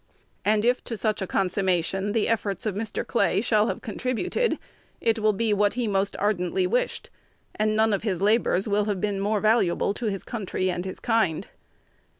And if to such a consummation the efforts of Mr. Clay shall have contributed, it will be what he most ardently wished; and none of his labors will have been more valuable to his country and his kind."